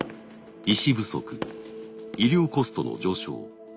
医師不足医療コストの上昇